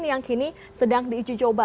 ini yang kini sedang diicu coba